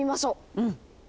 うん。